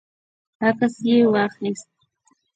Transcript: عکس یې واخیست.